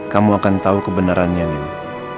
kamu akan tahu kebenarannya ini